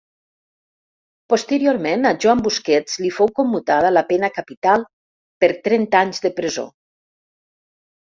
Posteriorment a Joan Busquets li fou commutada la pena capital per trenta anys de presó.